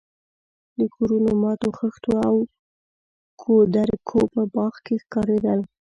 د کورونو ماتو خښتو او کودرکو په باغ کې ښکارېدل.